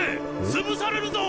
潰されるぞ！